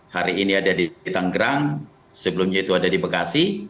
hari ini ada di tanggerang sebelumnya itu ada di bekasi